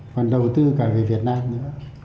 còn đầu tư cả về việt nam nữa